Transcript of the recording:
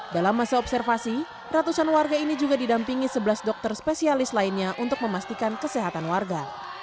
dalam masa observasi ratusan warga ini juga didampingi sebelas dokter spesialis lainnya untuk memastikan kesehatan warga